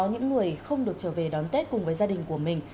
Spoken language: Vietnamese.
những người không được trở về đón tết cùng với gia đình của mình